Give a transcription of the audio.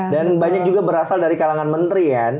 dan banyak juga berasal dari kalangan menteri kan